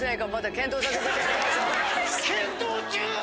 検討中！？